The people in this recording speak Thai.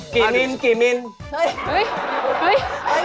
จะมีเหตุผล